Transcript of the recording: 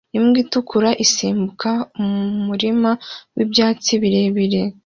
Imbwa itukura isimbukira mu murima wibyatsi birebire